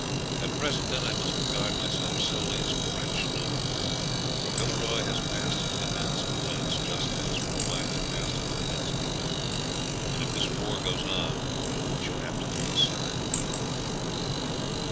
At present, then, I must regard myself solely as a French noble, for Villeroy has passed into the hands of France, just as for a while it passed into the hands of England, and if this war goes on we shall have to take a side."